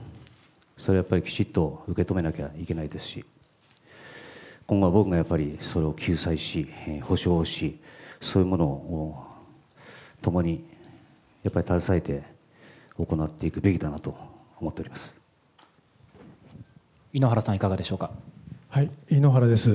それはやっぱりきちっと受け止めなきゃいけないですし、今後は僕がやっぱり、それを救済し、補償をし、そういうものを共にやっぱり携えて行っていくべきだなと思ってお井ノ原さん、いかがでしょう井ノ原です。